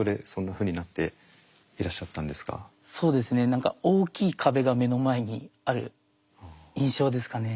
何か大きい壁が目の前にある印象ですかね。